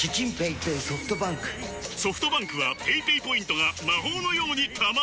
ソフトバンクはペイペイポイントが魔法のように貯まる！